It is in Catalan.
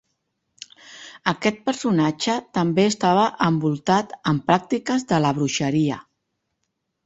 Aquest personatge també estava envoltat en pràctiques de la bruixeria.